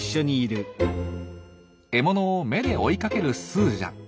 獲物を目で追いかけるスージャ。